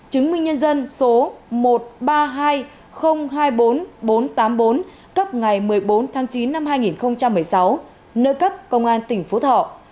chứng minh nhân dân số một ba hai không hai bốn bốn tám bốn cấp ngày một mươi bốn tháng chín năm hai nghìn một mươi sáu nơi cấp công an tp phú thọ